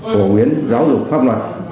cổ biến giáo dục pháp luật